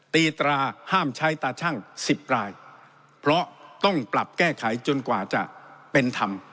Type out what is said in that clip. ตีตราห้ามใช้ตาชั่งสิบรายเพราะต้องปรับแก้ไขจนกว่าจะเป็นธรรม